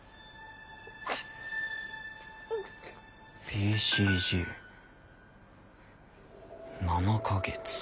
ＢＣＧ７か月。